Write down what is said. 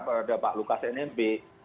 pada pak lukas nmp